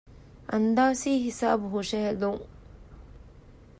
އަންދާސީ ހިސާބު ހުށަހެލުން